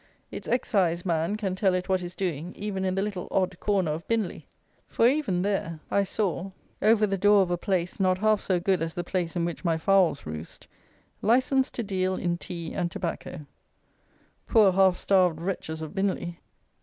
Its Exciseman can tell it what is doing even in the little odd corner of Binley; for even there I saw, over the door of a place, not half so good as the place in which my fowls roost, "Licensed to deal in tea and tobacco." Poor, half starved wretches of Binley!